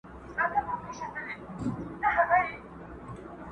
نن چي مي له دار سره زنګېږم ته به نه ژاړې.!